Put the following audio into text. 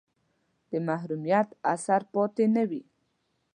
د محرومیت اثر پاتې نه وي.